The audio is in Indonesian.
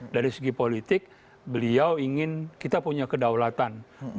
dari segi politik beliau ingin kita punya kedaulatan